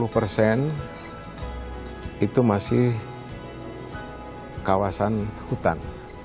lima puluh persen itu masih kawasan hutan